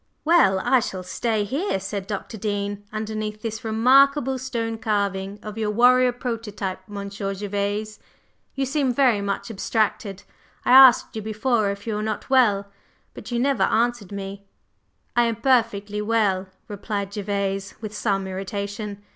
"Well, I shall stay here," said Dr. Dean, "underneath this remarkable stone carving of your warrior prototype, Monsieur Gervase. You seem very much abstracted. I asked you before if you were not well; but you never answered me." "I am perfectly well," replied Gervase, with some irritation.